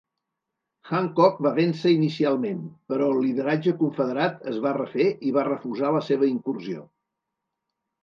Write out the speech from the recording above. Hancock va vèncer inicialment, però el lideratge confederat es va refer i va refusar la seva incursió.